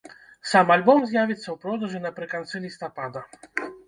Сам альбом з'явіцца ў продажы напрыканцы лістапада.